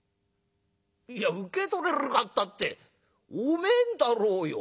「いや『受け取れるか』ったってお前んだろうよ。